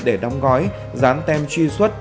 để đóng gói dán tem truy xuất